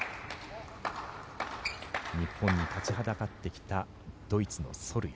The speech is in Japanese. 日本に立ちはだかってきたドイツのソルヤ。